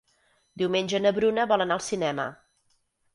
Diumenge na Bruna vol anar al cinema.